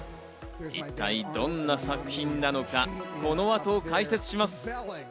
一体どんな作品なのか、この後、解説します。